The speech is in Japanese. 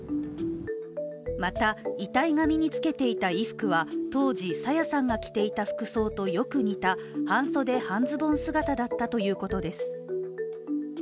また遺体が身につけていた衣服は当時、朝芽さんが着ていた服装とよく似た半袖・半ズボン姿だったということです。